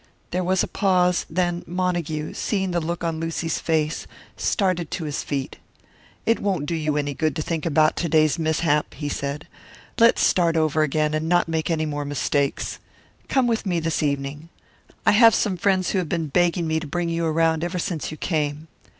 There was a pause; then Montague, seeing the look on Lucy's face, started to his feet. "It won't do you any good to think about to day's mishap," he said. "Let's start over again, and not make any more mistakes. Come with me this evening. I have some friends who have been begging me to bring you around ever since you came."